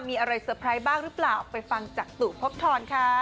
มีอะไรเซอร์ไพรส์บ้างหรือเปล่าไปฟังจากตู่พบทรค่ะ